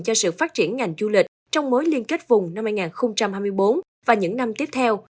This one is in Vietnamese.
cho sự phát triển ngành du lịch trong mối liên kết vùng năm hai nghìn hai mươi bốn và những năm tiếp theo